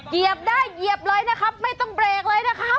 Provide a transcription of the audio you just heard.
เหยียบได้เหยียบเลยนะครับไม่ต้องเบรกเลยนะครับ